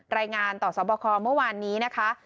รายงานต่อสอบคอเมื่อวานนี้นะคะ